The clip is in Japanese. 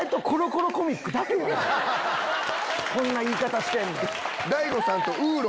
こんな言い方してんの。